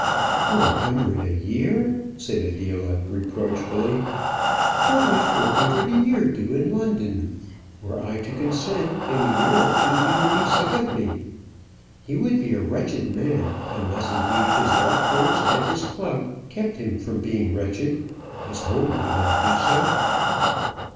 "Four hundred a year!" said Adela, reproachfully. "What would four hundred a year do in London? Were I to consent, in a year or two he would be sick of me. He would be a wretched man, unless, indeed, his law courts and his club kept him from being wretched; his home would not do so."